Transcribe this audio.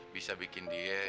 bisa bikin dia